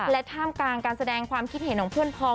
และท่ามกลางการแสดงความคิดเห็นของเพื่อนพอง